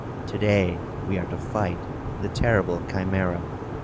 To day we are to fight the terrible Chimæra."